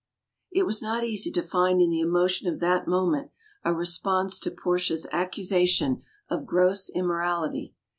It was not easy to find in the emotion of that moment a response to Portia's accusation of gross immorality.